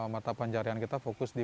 mata pencarian kita fokus di